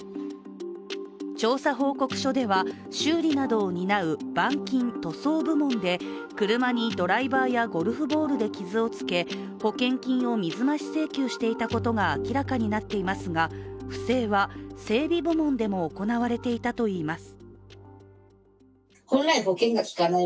調査報告書では、修理などを担う板金・塗装部門で車にドライバーやゴルフボールで傷をつけ保険金を水増し請求していたことが明らかになっていますが不正は整備部門でも行われていたといいます。